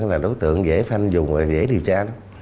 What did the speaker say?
là đối tượng dễ phanh dùng và dễ điều tra